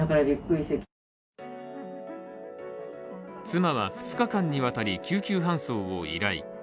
妻は２日間にわたり、救急搬送を依頼。